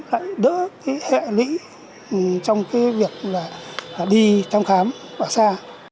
lại đỡ hẹn lý trong việc đi thăm khám ở xa